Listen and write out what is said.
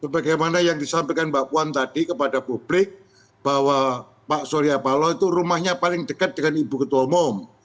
bagaimana yang disampaikan mbak puan tadi kepada publik bahwa pak surya paloh itu rumahnya paling dekat dengan ibu ketua umum